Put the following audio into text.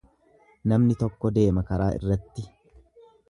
Namni tokko deema karaa irratti.